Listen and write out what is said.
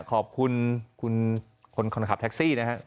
ขอบคุณคุณคนขับแท็กซี่นะครับ